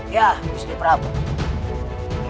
ya gusti prabu